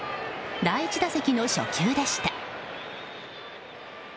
第１打席の初球でした。